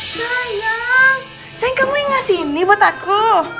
sayang kamu yang ngasih ini buat aku